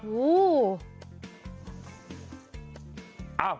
อู้วววว